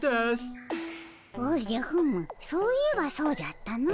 おじゃふむそういえばそうじゃったの。